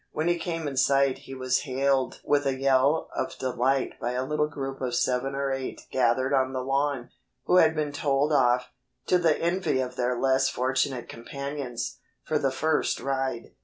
When he came in sight he was hailed with a yell of delight by a little group of seven or eight gathered on the lawn, who had been told off, to the envy of their less fortunate companions, for the first ride.